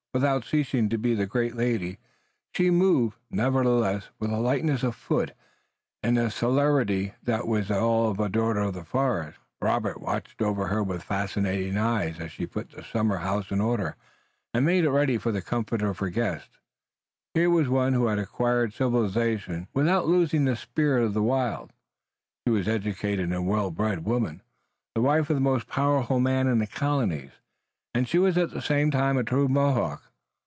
Without ceasing to be the great lady she moved, nevertheless, with a lightness of foot and a celerity that was all a daughter of the forest. Robert watched her with fascinated eyes as she put the summer house in order and made it ready for the comfort of her guests. Here was one who had acquired civilization without losing the spirit of the wild. She was an educated and well bred woman, the wife of the most powerful man in the colonies, and she was at the same time a true Mohawk.